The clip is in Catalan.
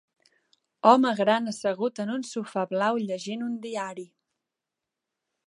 Home gran assegut en un sofà blau llegint un diari.